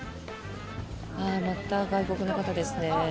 また外国の方ですね。